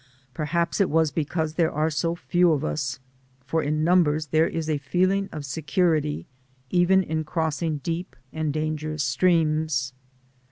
Perhaps it was because there are so few of us, for in numbers there is a feeling of security, even in crossing deep and dangerous streams.